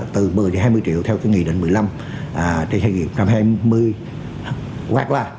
từ một mươi hai mươi triệu theo cái nghị định một mươi năm trên cái nghị một trăm hai mươi hoạt là